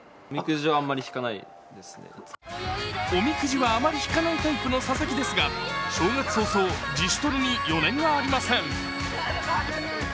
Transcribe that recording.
おみくじはあまり引かないタイプの佐々木ですが、正月早々、自主トレに余念がありません。